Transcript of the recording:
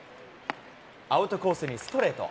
アウトコースにストレート。